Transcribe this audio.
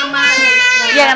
iya mama bersih bersih dulu